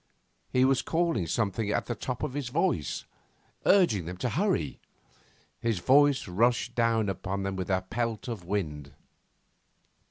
He was calling something at the top of his voice, urging them to hurry. His voice rushed down upon them with a pelt of wind.